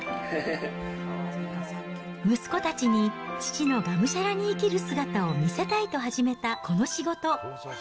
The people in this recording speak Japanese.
息子たちに、父のがむしゃらに生きる姿を見せたいと始めたこの仕事。